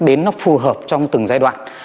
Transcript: đến nó phù hợp trong từng giai đoạn